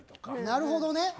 なるほどね。